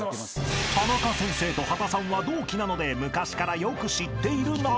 ［タナカ先生と波田さんは同期なので昔からよく知っている仲］